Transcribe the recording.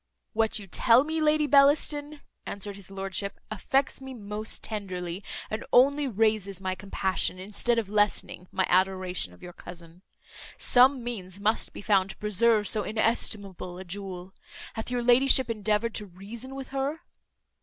"What you tell me, Lady Bellaston," answered his lordship, "affects me most tenderly, and only raises my compassion, instead of lessening my adoration of your cousin. Some means must be found to preserve so inestimable a jewel. Hath your ladyship endeavoured to reason with her?"